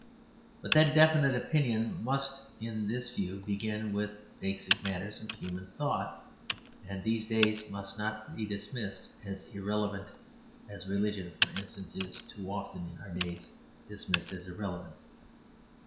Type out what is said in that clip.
But that definite opinion must in this view begin with the basic matters of human thought, and these must not be dismissed as irrelevant, as religion, for instance, is too often in our days dismissed as irrelevant.